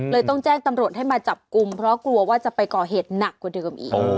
ต้องแจ้งตำรวจให้มาจับกลุ่มเพราะกลัวว่าจะไปก่อเหตุหนักกว่าเดิมอีก